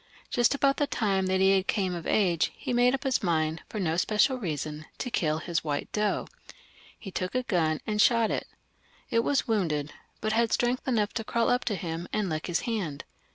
Just about the time that he came of age, he made up his mind, for no special reason, to kiU his white doe. He took a gun and shot at it. It was wounded, but had strength enough to crawl up to him and lick his hand.